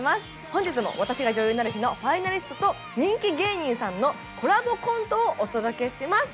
本日も「私が女優になる日」のファイナリストと人気芸人さんのコラボコントをお届けします